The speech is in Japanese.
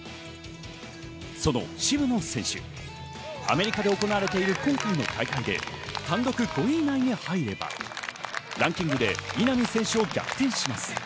その渋野選手、アメリカで行われている今回の大会で単独５位以内に入ればランキングで稲見選手を逆転します。